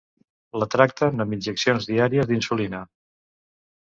La tracten amb injeccions diàries d'insulina.